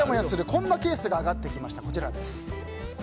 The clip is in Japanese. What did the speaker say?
こんなケースが上がってきました。